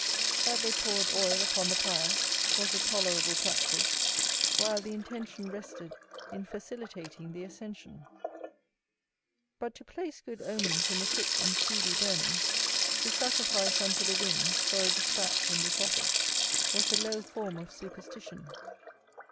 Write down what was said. That they poured oil upon the pyre, was a tolerable practice, while the intention rested in facilitating the ascension. But to place good omens in the quick and speedy burning, to sacrifice unto the winds for a despatch in this office, was a low form of superstition.